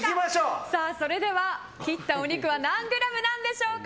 それでは切ったお肉は何グラムなんでしょうか。